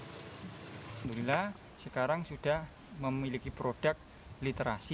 alhamdulillah sekarang sudah memiliki produk literasi